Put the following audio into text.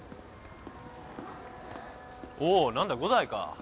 おう何だ伍代か。